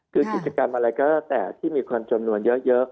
คือกิจกรรมอะไรก็แล้วแต่ที่มีคนจำนวนเยอะ